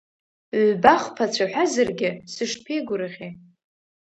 Ҩба-хԥа цәаҳәазаргьы сышԥеигәырӷьеи.